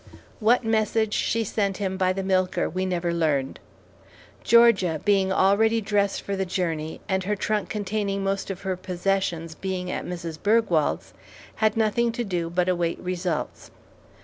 What message she sent him by the milker we never learned. Georgia, being already dressed for the journey, and her trunk containing most of her possessions being at Mrs. Bergwald's, had nothing to do but await results.